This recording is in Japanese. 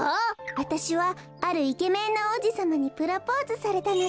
わたしはあるイケメンのおうじさまにプロポーズされたのでした。